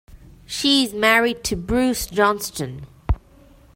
She is married to Bruce Johnston.